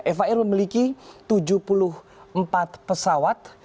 eva air memiliki tujuh puluh empat pesawat